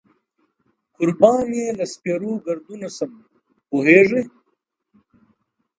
قربان یې له سپېرو ګردونو شم، پوهېږې.